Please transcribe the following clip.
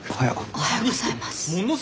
おはようございます。